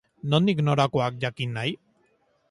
Nondik norakoak jakin nahi?